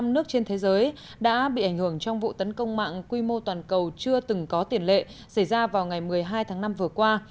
bốn mươi nước trên thế giới đã bị ảnh hưởng trong vụ tấn công mạng quy mô toàn cầu chưa từng có tiền lệ xảy ra vào ngày một mươi hai tháng năm vừa qua